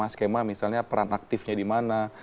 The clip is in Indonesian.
ada skema skema misalnya peran aktifnya di mana